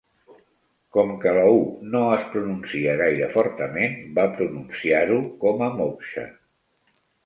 Com que la "u" no es pronuncia gaire fortament, va pronunciar-ho com a "Moxa".